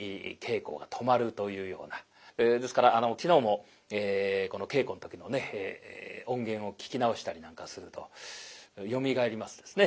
ですから昨日も稽古の時のね音源を聞き直したりなんかするとよみがえりますですね。